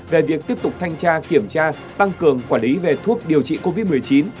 về việc tiếp tục thanh tra kiểm tra tăng cường quản lý về thuốc điều trị covid một mươi chín